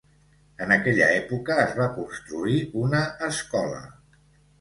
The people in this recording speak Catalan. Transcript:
En aquella època es va construir una escola.